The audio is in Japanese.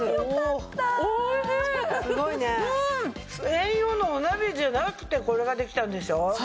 専用のお鍋じゃなくてこれができたんでしょ？